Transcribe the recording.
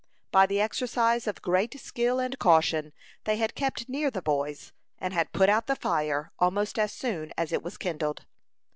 By the exercise of great skill and caution, they had kept near the boys, and had put out the fire almost as soon as it was kindled.